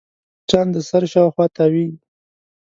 مچان د سر شاوخوا تاوېږي